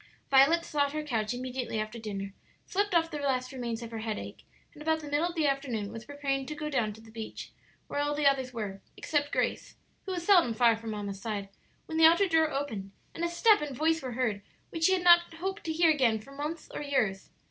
Violet sought her couch immediately after dinner, slept off the last remains of her headache, and about the middle of the afternoon was preparing to go down to the beach, where all the others were, except Grace, who was seldom far from mamma's side, when the outer door opened, and a step and voice were heard which she had not hoped to hear again for months or years.